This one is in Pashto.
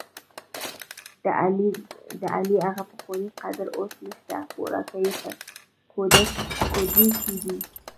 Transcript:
دعلي هغه پخوانی قدر اوس نشته، خوراک یې په کودي کې دی.